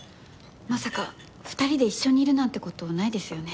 まさか２人で一緒にいるなんて事ないですよね？